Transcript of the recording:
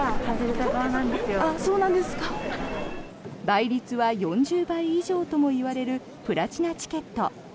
倍率は４０倍以上ともいわれるプラチナチケット。